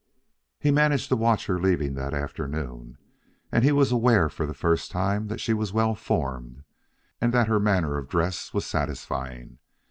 He managed to watch her leaving that afternoon, and he was aware for the first time that she was well formed, and that her manner of dress was satisfying.